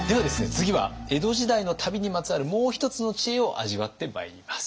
次は江戸時代の旅にまつわるもう一つの知恵を味わってまいります。